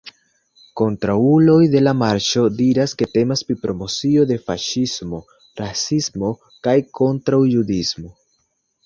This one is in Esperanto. Kontraŭuloj de la Marŝo diras, ke temas pri promocio de faŝismo, rasismo kaj kontraŭjudismo.